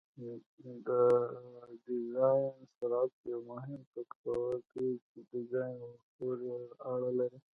د ډیزاین سرعت یو مهم فکتور دی چې ډیزاین ورپورې اړه لري